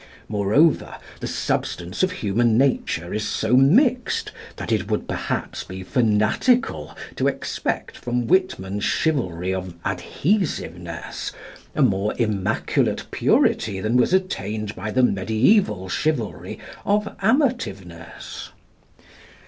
Moreover, the substance of human nature is so mixed that it would perhaps be fanatical to expect from Whitman's chivalry of "adhesiveness" a more immaculate purity than was attained by the mediæval chivalry of "amativeness."